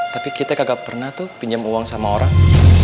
tapi kita kagak pernah tuh pinjam uang sama orang